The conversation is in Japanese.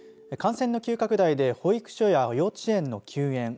感染の急拡大で保育所や幼稚園の休園